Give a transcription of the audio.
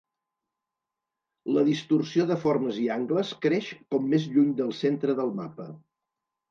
La distorsió de formes i angles creix com més lluny del centre del mapa.